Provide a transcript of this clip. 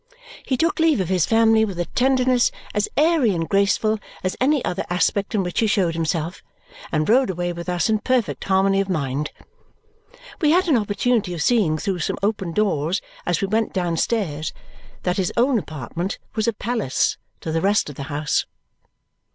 He took leave of his family with a tenderness as airy and graceful as any other aspect in which he showed himself and rode away with us in perfect harmony of mind. We had an opportunity of seeing through some open doors, as we went downstairs, that his own apartment was a palace to the rest of the house.